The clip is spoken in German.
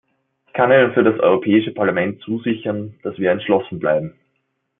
Ich kann Ihnen für das Europäische Parlament zusichern, dass wir entschlossen bleiben.